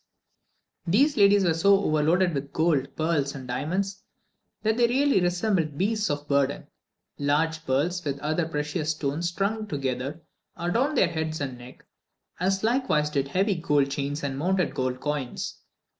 These ladies were so overloaded with gold, pearls, and diamonds, that they really resembled beasts of burden. Large pearls, with other precious stones strung together, adorned their head and neck, as likewise did heavy gold chains and mounted gold coins.